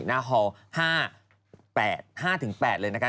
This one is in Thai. ห้าถึง๘เลยนะคะ